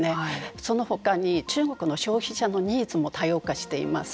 その他に中国の消費者のニーズも多様化しています。